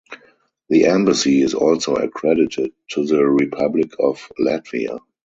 The embassy is also accredited to the Republic of Latvia.